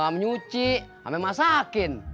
menyuci sampe masakin